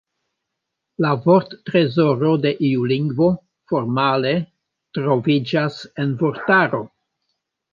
La vorttrezoro de iu lingvo – formale – troviĝas en vortaro.